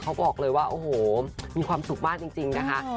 เจ้าสาวเขาบอกแล้วว่ามีความสุขมากจริงนะคะ